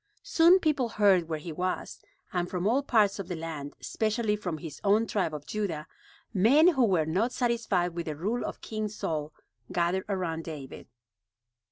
Soon people heard where he was, and from all parts of the land, especially from his own tribe of Judah, men who were not satisfied with the rule of King Saul gathered around David.